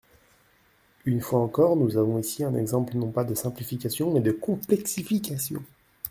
Une fois encore, nous avons ici un exemple non pas de simplification mais de complexification.